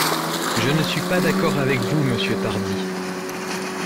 Je ne suis pas d’accord avec vous, monsieur Tardy.